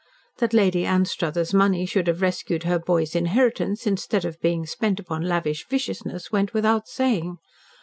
That Lady Anstruthers' money should have rescued her boy's inheritance instead of being spent upon lavish viciousness went without saying.